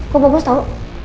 kok bagus tau